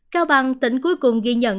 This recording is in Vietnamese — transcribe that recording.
cao bằng tỉnh cuối cùng ghi nhận